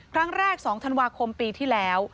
ครั้งแรก๒ธันวาคมปีที่แล้ว